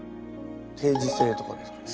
定時制とかですかね？